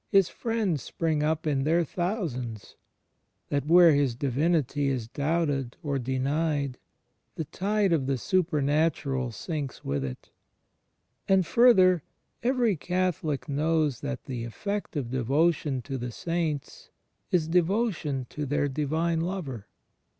His friends spring up in their thousands; that where His Divinity is doubted or denied, the tide of the supemat\iral sinks with it. And, f\irther, every Catholic knows that the effect of devo tion to the saints is devotion to their Divine Lover.